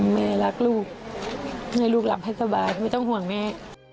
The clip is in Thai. แม่รักลูกให้ลูกหลับให้สบายไม่ต้องห่วงแม่